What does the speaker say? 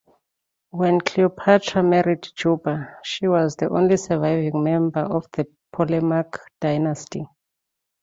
When Cleopatra married Juba, she was the only surviving member of the Ptolemaic dynasty.